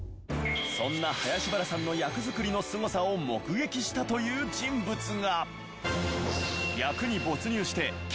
そんな林原さんの役作りのスゴさを目撃したという人物が！